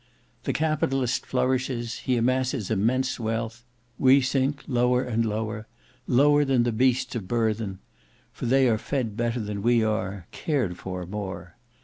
The capitalist flourishes, he amasses immense wealth; we sink, lower and lower; lower than the beasts of burthen; for they are fed better than we are, cared for more.